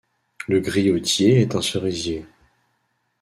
Le griottier est un cerisier.